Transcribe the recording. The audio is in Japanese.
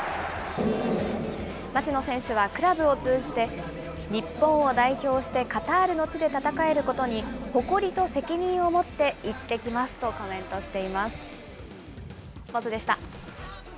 町野選手はクラブを通じて、日本を代表してカタールの地で戦えることに誇りと責任を持って行ってきますとコメントしています。